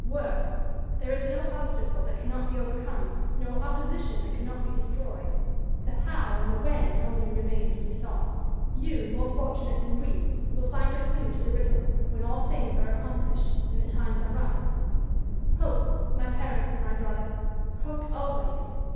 _ WORK! There is no obstacle that cannot be overcome, no opposition that cannot be destroyed. The HOW and the WHEN _only remain to be solved. You, more fortunate than we, will find the clew to the riddle, when all things are accomplished, and the times are ripe.... Hope! my parents, and my brothers hope always!